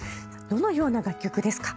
どのような楽曲ですか？